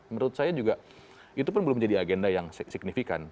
menurut saya juga itu pun belum menjadi agenda yang signifikan